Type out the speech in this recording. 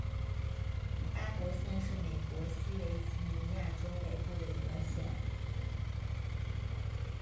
巴伯县是美国西维吉尼亚州北部的一个县。